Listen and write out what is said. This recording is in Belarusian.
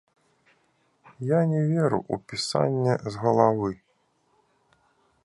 Я не веру ў пісанне з галавы.